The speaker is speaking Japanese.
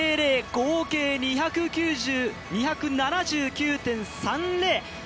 合計２７９．３０。